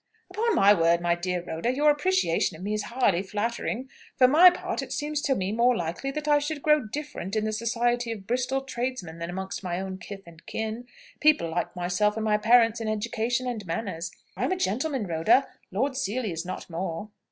"Upon my word, my dear Rhoda, your appreciation of me is highly flattering! For my part it seems to me more likely that I should grow 'different' in the society of Bristol tradesmen than amongst my own kith and kin people like myself and my parents in education and manners. I am a gentleman, Rhoda. Lord Seely is not more."